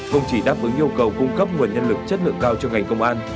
không chỉ đáp ứng yêu cầu cung cấp nguồn nhân lực chất lượng cao cho ngành công an